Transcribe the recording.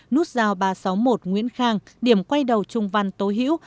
nút giao ba trăm sáu mươi một nguyễn khang điểm quay đầu trung văn tố hữu